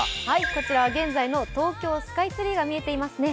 こちらは現在の東京スカイツリーが見えていますね。